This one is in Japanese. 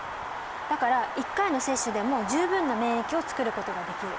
だから１回の接種でも十分な免疫をつくることができる。